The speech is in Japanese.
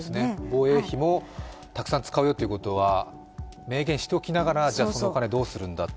防衛費もたくさん使うよということは明言しておきながらじゃ、そのお金をどうするんだと。